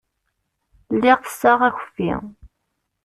Lliɣ tesseɣ akeffi.